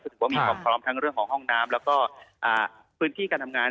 ถือว่ามีความพร้อมทั้งเรื่องของห้องน้ำแล้วก็พื้นที่การทำงาน